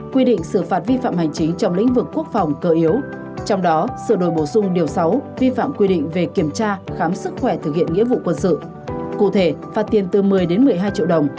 quy định cũ phạt tiền từ tám trăm linh đồng